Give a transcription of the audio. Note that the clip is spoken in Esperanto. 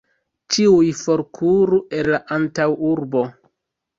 Ĉiuj forkuru el la antaŭurbo!